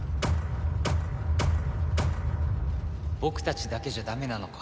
僕たちだけじゃダメなのか？